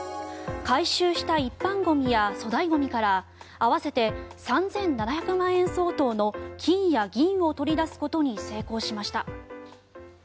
回収した一般ゴミや粗大ゴミから合わせて３７００万円相当の金や銀を取り出すことに成功しました。